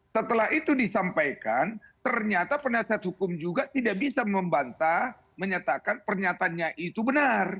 setelah itu disampaikan ternyata penasihat hukum juga tidak bisa membantah menyatakan pernyatanya itu benar